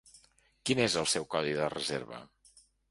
Quin es el seu codi de reserva?